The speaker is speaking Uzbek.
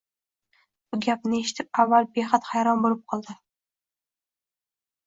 Bu gapni eshitib, awal behad hayron bo‘lib qoldi